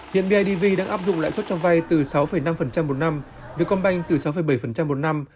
hiện bidv đang áp dụng lãi suất cho vai từ sáu năm một năm vietcombank từ sáu bảy một năm